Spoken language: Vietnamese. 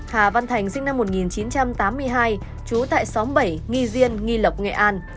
hà văn thành sinh năm một nghìn chín trăm tám mươi hai trú tại xóm bảy nghi diên nghi lộc nghệ an